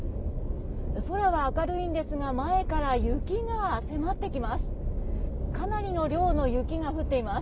空は明るいんですが前から雪が迫ってきます。